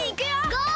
ゴー！